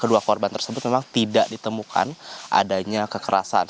kedua korban tersebut memang tidak ditemukan adanya kekerasan